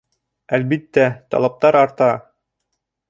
Әлбиттә, талаптар арта.